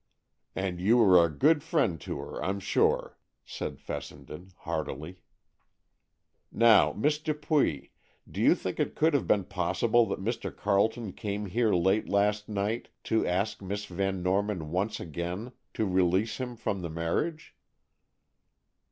"And you were a good friend to her, I'm sure," said Fessenden heartily. "Now, Miss Dupuy, do you think it could have been possible that Mr. Carleton came here late last night to ask Miss Van Norman once again to release him from the marriage?"